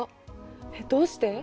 えっどうして？